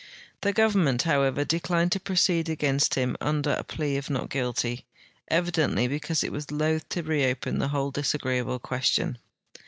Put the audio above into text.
The government, hoAvever, declined to j)roceed against him under plea of not guilty, evidently because it Avas loath to reopen the Avhole disagreeable question.